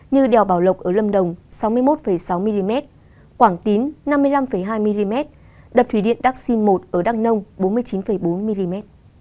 như đèo bảo lộc ở lâm đồng sáu mươi một sáu mm quảng tín năm mươi năm hai mm đập thủy điện đắc sinh một ở đắk nông bốn mươi chín bốn mm